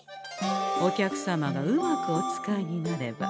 お客様がうまくお使いになれば。